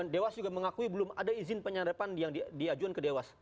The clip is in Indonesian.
dewas juga mengakui belum ada izin penyadapan yang diajukan ke dewas